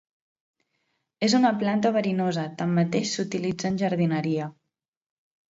És una planta verinosa, tanmateix s'utilitza en jardineria.